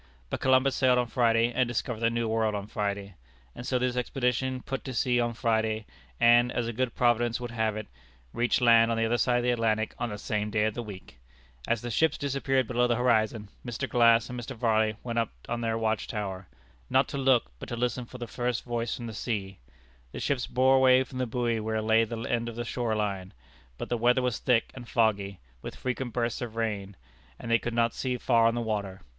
But Columbus sailed on Friday, and discovered the New World on Friday; and so this expedition put to sea on Friday, and, as a good Providence would have it, reached land on the other side of the Atlantic on the same day of the week! As the ships disappeared below the horizon, Mr. Glass and Mr. Varley went up on their watch tower not to look, but to listen for the first voice from the sea. The ships bore away for the buoy where lay the end of the shore line; but the weather was thick and foggy, with frequent bursts of rain, and they could not see far on the water.